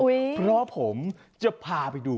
เพราะผมจะพาไปดู